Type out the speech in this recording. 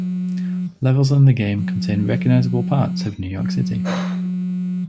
Levels in the game contain recognizable parts of New York City.